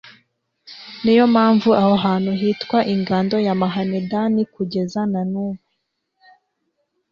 ni yo mpamvu aho hantu hitwa ingando ya mahanedani kugeza na n'ubu